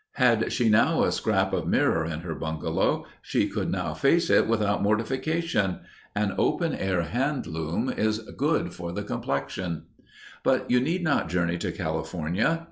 Had she a scrap of mirror in her bungalow she could now face it without mortification. An open air hand loom is good for the complexion. But you need not journey to California.